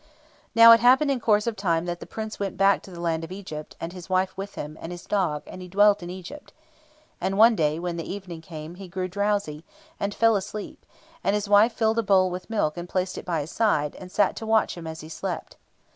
Now, it happened in course of time that the Prince went back to the land of Egypt; and his wife went with him, and his dog, and he dwelt in Egypt. And one day, when the evening came, he grew drowsy, and fell asleep; and his wife filled a bowl with milk, and placed it by his side, and sat to watch him as he slept.